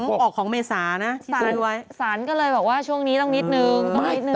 ออกไป